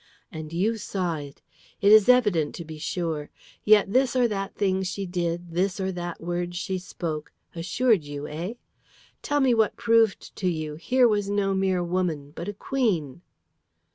And you saw it! It is evident, to be sure. Yet this or that thing she did, this or that word she spoke, assured you, eh? Tell me what proved to you here was no mere woman, but a queen!"